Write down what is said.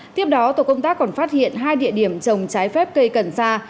tiếp đó tổ công tác còn phát hiện hai địa điểm trồng trái phép cây cần sa